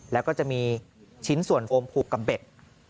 แล้วก็จะมีชิ้นส่วนโอมผูกกับเบ็ด